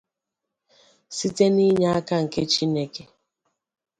site n'inye aka nke Chineke.